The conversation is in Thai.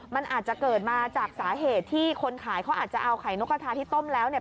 มันอาจจะเกิดมาจากสาเหตุที่คนขายเขาอาจจะเอาไข่นกกระทาที่ต้มแล้วเนี่ย